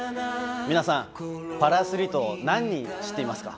皆さん、パラアスリート何人いるか知っていますか？